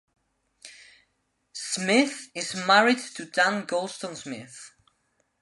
Smith is married to Dian Goldston Smith.